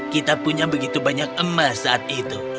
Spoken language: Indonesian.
kita punya begitu banyak emas saat itu